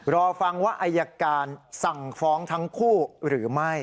รอฟังว่าอายการสั่งฟ้องทั้งคู่หรือไม่